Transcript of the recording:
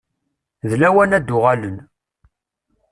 D lawan ad uɣalen.